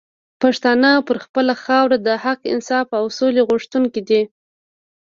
پښتانه پر خپله خاوره د حق، انصاف او سولي غوښتونکي دي